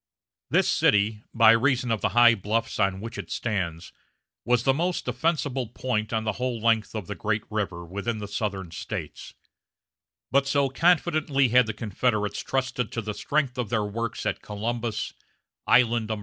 This city, by reason of the high bluffs on which it stands, was the most defensible point on the whole length of the great river within the Southern States; but so confidently had the Confederates trusted to the strength of their works at Columbus, Island No.